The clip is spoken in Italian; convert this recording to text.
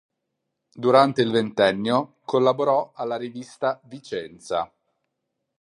Durante il ventennio collaborò alla rivista "Vicenza".